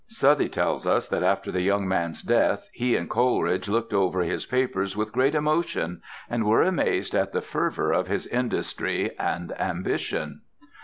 Southey tells us that after the young man's death he and Coleridge looked over his papers with great emotion, and were amazed at the fervour of his industry and ambition.